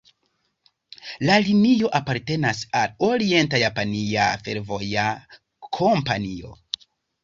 La linio apartenas al Orienta-Japania Fervoja Kompanio.